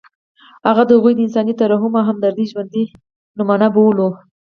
هغه د هغوی د انساني ترحم او همدردۍ ژوندۍ نمونه بولو.